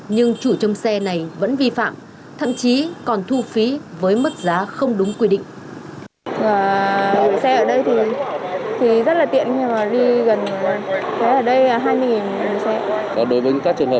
nhưng chủ trong xe này vẫn vi phạm thậm chí còn thu phí với mức giá không đúng quy định